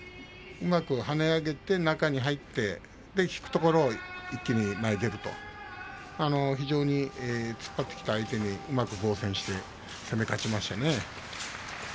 うまく跳ね上げて、中に入って引くところを一気に前に出ると非常に突っ張ってきた相手にうまく防戦して攻め勝ちましたね。